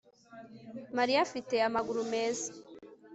Mariya afite amaguru meza